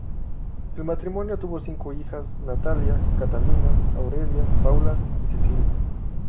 El matrimonio tuvo cinco hijas: Natalia, Catalina, Aurelia, Paula y Cecilia.